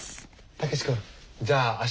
武志君じゃあ明日